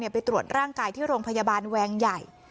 ไปตรวจร่างกายที่โรงพยาบาลแวงใหญ่